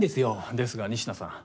ですが仁科さん。